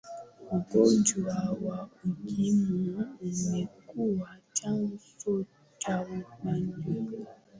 ugonjwa wa ukimwi umekuwa chanzo cha ubaguzi